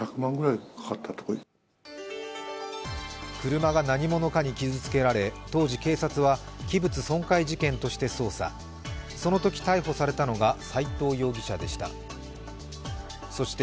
車が何者かに傷つけられ、当時警察は器物損壊事件として捜査その時、逮捕されたのが斎藤容疑者でした。